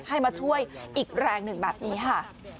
ให้มาช่วยอีกแรงหนึ่งแบบนี้ค่ะ